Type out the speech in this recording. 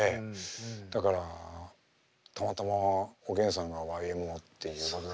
だからたまたまおげんさんがＹＭＯっていうことだったので。